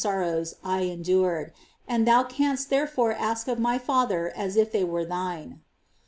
sorrows I endured, and thou canst therefore ask of My Father as if they were thine."